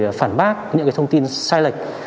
để phản bác những thông tin sai lệch